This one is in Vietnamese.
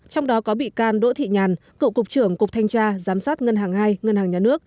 trong đó có bị can đỗ thị nhàn cựu cục trưởng cục thanh tra giám sát ngân hàng hai ngân hàng nhà nước